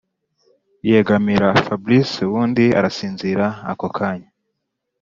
yegamira fabric ubundi arasinzira ako kanya